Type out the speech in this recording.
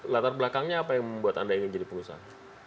latar belakangnya apa yang membuat anda ini jadi pengusaha